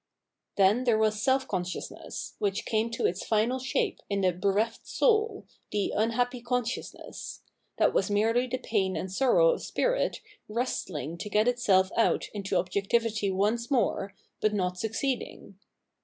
Then there was Self consciousness, which came to its final shape in the bereft soul," the unhappy consciousness "; that was merely the pain and sorrow of spirit wrestling to get itself out into objectivity once more, but not succeeding.